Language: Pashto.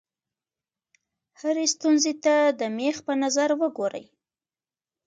هرې ستونزې ته د مېخ په نظر وګورئ.